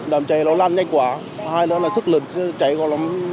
làm cháy nó lan nhanh quá hai nữa là sức lực cháy có lắm